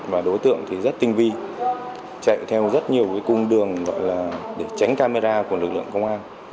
và đối tượng thì rất tinh vi chạy theo rất nhiều cung đường để tránh camera của lực lượng công an